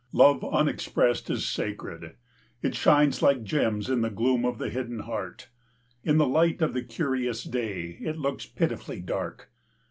Love unexpressed in sacred. It shines like gems in the gloom of the hidden heart. In the light of the curious day it looks pitifully dark.